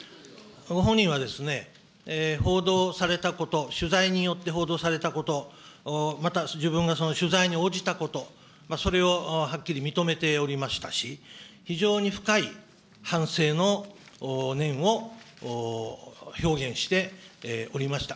本人は、報道されたこと、取材によって報道されたこと、また自分がその取材に応じたこと、それをはっきり認めておりましたし、非常に深い反省の念を表現しておりました。